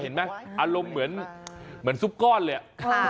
โอเคครับอารมณ์เหมือนซุปก้อนเลยอะ